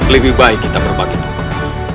lebih baik kita berbagi tugas